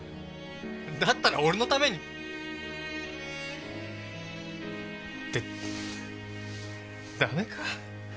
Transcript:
だったら俺のために。ってダメか。